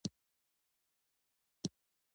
د چرګانو وختي واکسین کول ناروغۍ مخنیوی کوي.